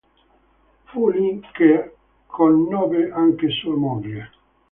Fu lì che conobbe anche sua moglie.